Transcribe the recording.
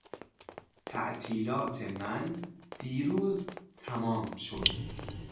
تعطیلات من دیروز تمام شد.